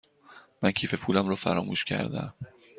من کیف پولم را فراموش کرده ام.